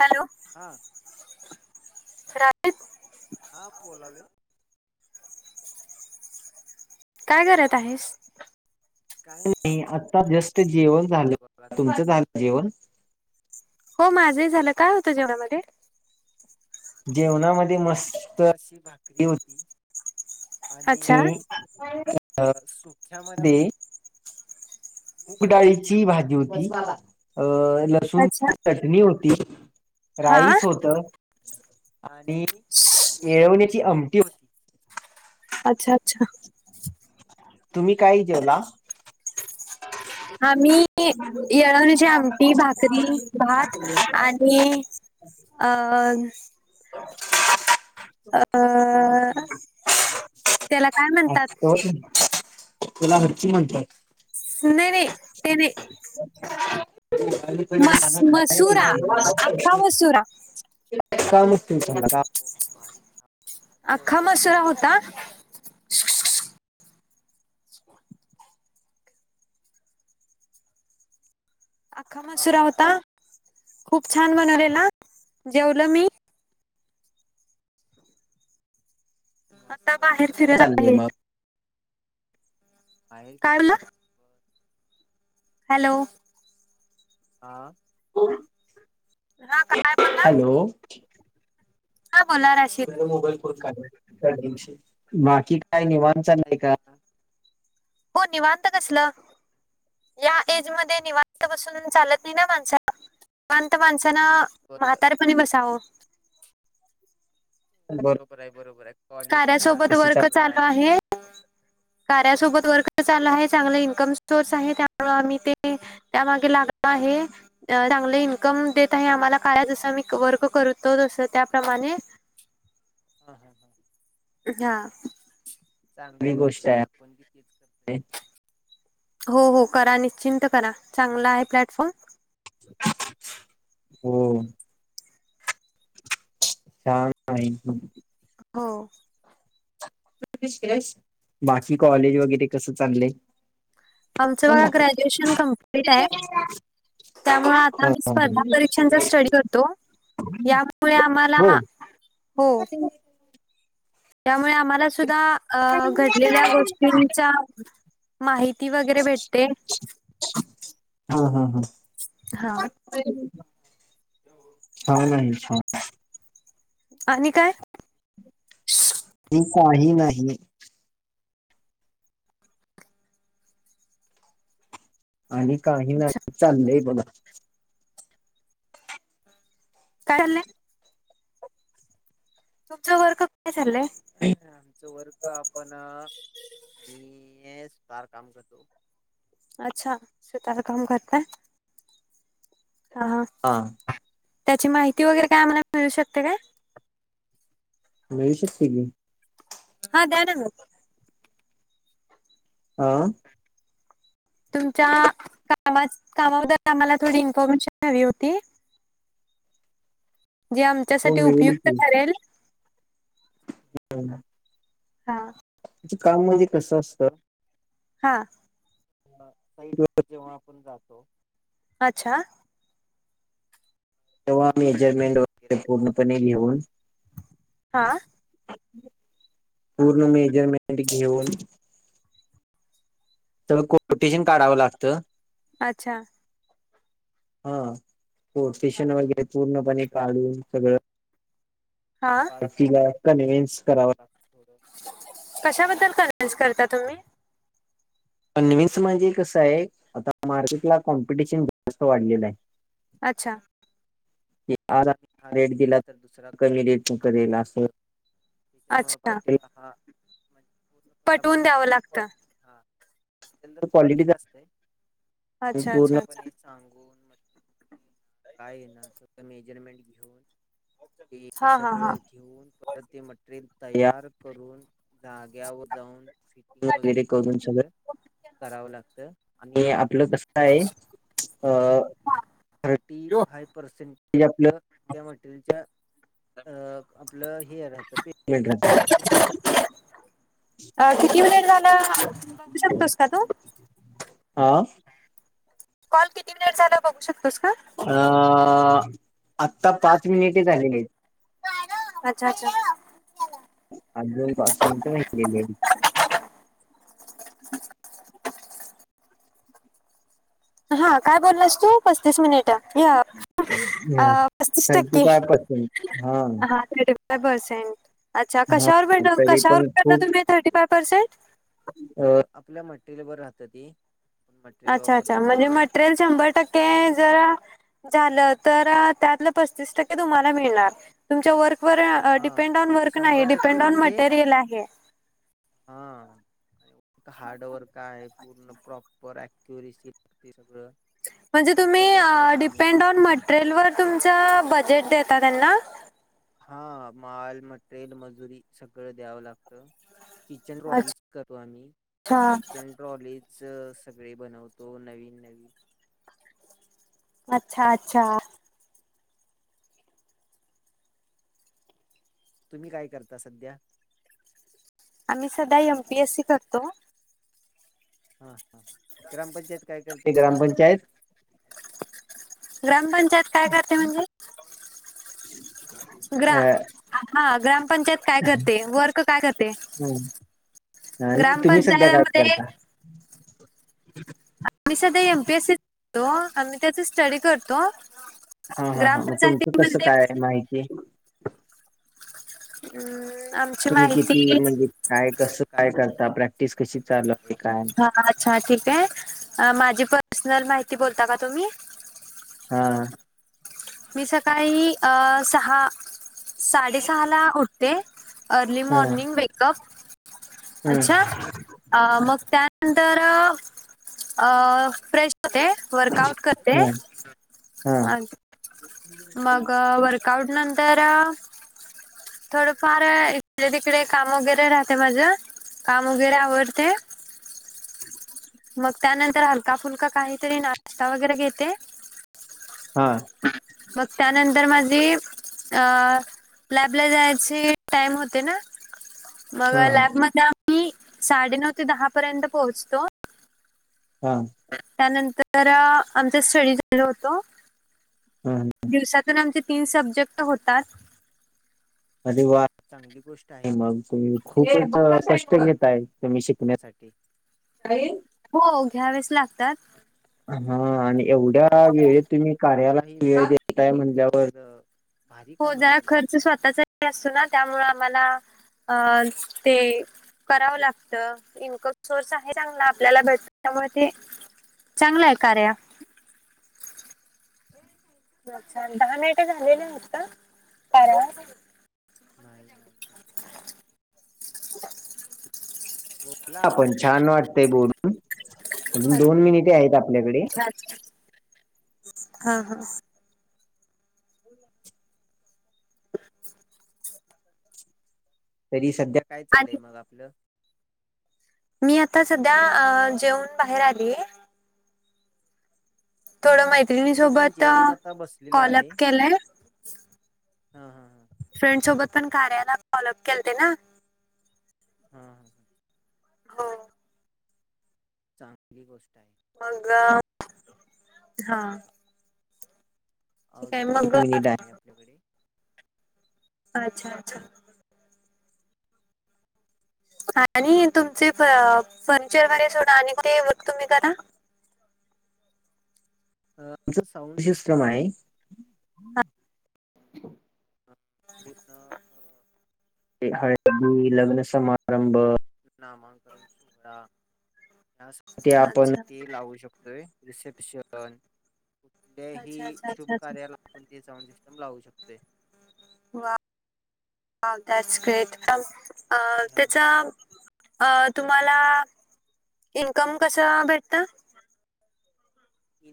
Hello- हा राधे, हा बोलालोय काय करत आहेस. - काय नाही आता जस्ट जेवण झालं बघा, तुमचं झालं जेवण. - हो माझंही झालं, काय होतं जेवणामधे. - जेवणामधे मस्त अशी भाकरी होती. - आणि अच्छा काय होतं. अ सुख्यामधे- मूग डाळीची भाजी होती, बस बाबा अ अच्छा लसूंची चटणी होती, हा राईस होतं आणि येळवण्याची आमटी होती. - अच्छा अच्छा- तुम्ही काय जेवला- आम्ही येळवणीची आमटी, भाकरी, भात आणि- अ- अ हां- [unintelligible] त्याला काय म्हणतात [unintelligible] तुला अर्ची म्हणत्यात. - नाही नाही ते नाही. - [unintelligible] मस मसुरा अख्खा मसुरा श्रावणी तुमची पण आता अख्खा मसुरा होता. - अख्खा मसुरा होता, खूप छान बनवलेला जेवलो मी- आत्ता बाहेर फिरायला चाललंय आले - बाहेर काय फिरत बोलला आहे. - हॅलो- आ हा आता काय बोललास हो- काय बोलणार आहेस घरी मोबाईल फोन काढले, त्या दिवशी बाकी काय निवांत चाललंय का- हो निवांत कसलं- या ऐजमध्ये निवांत बसून चालत नाही ना माणसानं, 'निवांत माणसानं- म्हातारपणी बसावं. - बरोबर आहे, बरोबर आहे. - कार्यासोबत वर्क चालू आहे. - [unintelligible] कार्यासोबत वर्क चालू आहे. चांगलं इन्कम सोर्स आहे, त्यामुळे आम्ही ते- त्यामागे लागला आहे चांगले इन्कम देत आहे आम्हाला काय जसं मी वर्क करतो तसं त्याप्रमाणे. हा हा हा. हा. चांगली गोष्ट आहे आपण कितीच करय हो हो करा निश्चिंत करा, चांगला आहे प्लॅटफॉर्म. हो. छान आहे. हो. [unintelligible] बाकी कॉलेज वगैरे कसं चाललं? आमचं बघा ग्रॅज्युएशन कंप्लीट हाय त्यामुळ आता मी स्पर्धा परीक्षांचा स्टडी करतो यामुळे आम्हाला हो. यामुळे आम्हाला सुद्धा अ घडलेल्या गोष्टींच्या माहिती वगैरे भेटते. हं हं हं. हां. छान आहे छान. आणि काय? ही काही नाही. आणि काही अच्छा. नाही चाललंय बघा. काय चाललंय? तुमचं वर्क काय चाललंय? आमचं वर्क आपण मी सुतार काम करतो. अच्छा! सुतार काम करताय? अ हा. हा. त्याची माहिती वगैरे काय आम्हाला मिळू शकते काय? मिळू शकते की. हा दया ना ग. आं? तुमच्या कामा कामाबद्दल आम्हाला थोडी इन्फॉर्मेशन हवी होती. [inaudible] जे हो आमच्यासाठी मिळेल उपयुक्त ठरेल. हम्. हां. ते काम म्हणजे कसं असतं हां. साईट वर जेव्हा आपण जातो अच्छा. तेव्हा मेजरमेंट वगैरे पूर्णपणे लिहून हां पूर्ण मेजरमेंट घेऊन तर कोटेशन काढावं लागतं. अच्छा. हा कोटेशन वगैरे पूर्णपणे काढून सगळं हा. तिला कन्व्हेन्स करावा. [inaudible] कशाबद्दल [unintelligible] करता तुम्ही? कन्व्हिन्स म्हणजे कसं आहे? आता मार्केट ला कॉम्पिटिशन जास्त वाढलेलं आहे. अच्छा. हे आज आम्ही हा रेट दिला तर दुसरा कमी रेटने करेल आसं. अच्छा. [unintelligible] पटवून द्यावं लागतं. हा नंतर पॉलिटिक असते अच्छा अच्छा अच्छा पूर्णपणे सांगू. काय आहे ना सगळं मेजरमेंट घेऊन ते हा हा सगळं. घेऊन परत ते मटेरिल तयार करून जाग्यावर जाऊन फिटिंग वगैरे करून झालय? करावं लागतं. आणि आपलं कस काय आहे? अ थर्टी फाईव्ह. पर्सेंट ते आपलं त्या मटेरियलच्या अ आपलं हे. [unintelligible] नाही घरचं. अ किती मिनिट झाला? बघू शकतोस का तू? हा. कॉल किती मिनिट झाला बघू शकतोस का? अ आत्ता पाच मिनिटे झालेलेत. [inaudible] अच्छा अच्छा. आडलवू पाच मिनट नाही गेलेली. हा काय बोललास तू? पस्तीस मिनिटं. या आहेत आ पस्तीस थर्टी टक्के. फाय पर्सेंट हा पर्सेंट अच्छा हा कशावर भेटलं तरी कशावर पण घेतलं खूप तुम्ही थर्टी फाय पर्सेंट? अ आपल्या मटेरियलवर राहत ते. मटेरियल अच्छा अच्छा म्हणजे मटेरियल शंभर टक्के जरा झालं तर त्यातले पतीस टक्के तुम्हाला मिळणार तुमच्या वर्कवर अ डिपेंड ऑन वर्क नाही डिपेंड ऑन मटेरियल आहे. हा. हार्डवर्क आहे पूर्ण प्रॉपर ॲक्युरसी [unintelligible] सगळं. म्हणजे तुम्ही अ डिपेंड ऑन मटेरियल वर तुमच बजेट देता त्यांना? हा माल, मटेरियल, मजुरी सगळं द्यावं लागतं. किचन ट्रॉलीज करतो आम्ही अच्छा किचन ट्रॉलीच सगळे बनवतो सगळे नवीन नवीन. अच्छा अच्छा. तुम्ही काय करता सध्या? आम्ही सध्या यमपीएससी करतो. हा हा ग्रामपंचायत काय करते? ग्रामपंचायत [inaudible] ग्रामपंचायत काय करते म्हणजे? [inaudible] ग्रा अ हा ग्रामपंचायत काय करते? वर्क काय करते नाही तुम्ही सध्या काय ग्रामपंचायतमध्ये. करता आम्ही सध्या यमपीएससी [unintelligible] तो आम्ही त्याचा स्टडी करतो. हा हा हा मग तुमच कस ग्रामपंचायतीमध्ये काय माहितीय. हम्म आम तुम्ही किती म्हणजे काय कस काय करता प्रॅक्टिस कशी चालू आहे काय? हा अच्छा ठीक आहे माझी पर्सनल माहिती बोलता का तुम्ही. हा मी सकाळी सहा साडेसहा ला उठते. अर्ली हा मॉर्निंग वेकअप हा अच्छा अ मग त्यानंतर अ फ्रेश होते. वर्कआउट करते. हा हा मग वर्कआउट नंतर अअ थोडंफार इकडे तिकडे काम वगैरे राहते माझ. काम वगैरे आवरते. मग त्यानंतर हलका फुलका काहीतरी नाश्ता वगैरे घेते. हा मग त्यानंतर माझी अ लॅबला जायचे टाइम होते ना, मग हा लॅबमध्येध्ये आम्ही साडेनऊ ते दहा पर्यंत पोहचतो. हा त्यानंतर आमचा स्टडी चालू होतो. हम हम दिवसातून आमचे तीन सब्जेक्ट होतात. [unintelligible] गोष्ट आहे मग तुम्ही खूप कष्ट घेताय तुम्ही शिकण्यासाठी. काही हो घ्यावेस लागतात. हा आणि एवढ्या वेळेत तुम्ही कार्यालाही वेळ देताय म्हणल्यावर. हो जरा खर्च स्वतःचा ही असतो ना त्यामु आम्हाला अ ते, कराव लागत इन्कम सोर्स आहे चांगला आपल्याला भेटत त्यामुळे ते चांगल आहे कार्या. अच्छा दहा मिनटे झालेले आहे वाटत कार्यावर. नाही -नाही. झालेली बोला पण छान वाटतय बोलून. अजून दोन मिनिटे आहेत आपल्याकडे. अच्छा हा हा तरी सध्या काय चालय आणि मग आपल. मी आता सध्या जेऊन बाहेर आली. थोड मैत्रिणी सोबत कॉलअप केलय. हा हा हा फ्रेंड सोबत पण कार्याला फॉलोअप केलत् ना. हा हो चांगली गोष्ट आहे. मग हा ठीक आहे मग, अच्छा अच्छा आणि तुमचे [unintelligible] तुम्ही करा आमचं साउंड सिस्टम आहे. [unintelligible] [unintelligible] एक हळदी, लग्न समारंभ, नामांकरन सोहळा त्यासाठी आपण अच्छा ते लावू शकतोय रिसेप्शन अच्छा कुठल्याही अच्छा शुभ अच्छा अच्छा कार्याला आपण ते साउंड सिस्टम लावू शकतोय. [unintelligible] त्याचा अ तुम्हाला, इन्कम कसं भेटतं?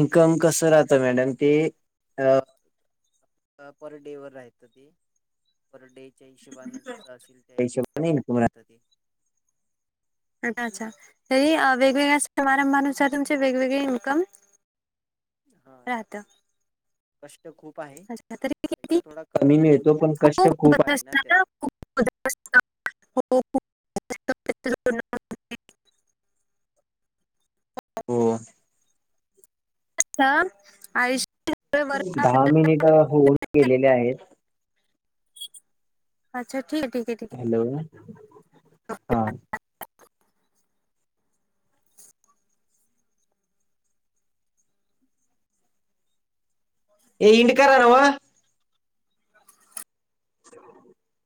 इन्कम कस राहत मॅडम ते [unintelligible] डे वर राहत ते पर डेच्या हिशेबाने जस असेल त्या हिशोबाने इन्कम राहत ते अच्छा अच्छा तरी वेगवेगळ्या समारंभानुसार तुमचे वेगवेगळे इन्कम. हा राहतं राहते, कष्ट खूप आहे अच्छा तरी पैसा किती थोडा कमी मिळतो पण हो कष्ट खूप खूपच आहे ना त्यात [unintelligible] असतं. त्याचं जोडणं हो अ आयुष दहा मिनिट होऊन गेलेले आहेत. अच्छा ठीक हे ठीक हे ठीक हे हॅलो हा एडिट करा न वं [unintelligible] [unintelligible]